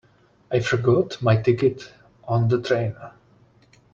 I forgot my ticket on the train.